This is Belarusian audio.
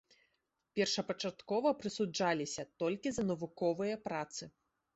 Першапачаткова прысуджаліся толькі за навуковыя працы.